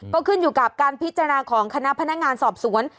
ก็ขึ้นอยู่กับการพิจารณาของคณะพนักงานสอบสวน